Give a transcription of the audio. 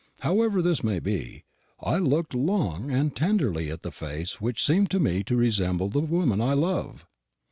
However this may be, I looked long and tenderly at the face which seemed to me to resemble the woman I love.